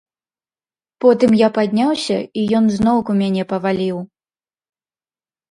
Потым я падняўся, і ён зноўку мяне паваліў.